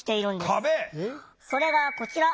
それがこちら。